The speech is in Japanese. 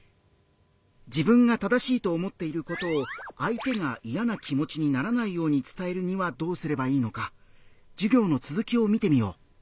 自分が正しいと思っていることを相手が嫌な気持ちにならないように伝えるにはどうすればいいのか授業の続きを見てみよう。